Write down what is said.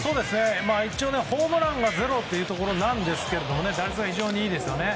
一応ホームランはゼロなんですが打率が非常にいいですよね。